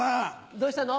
どうしたの？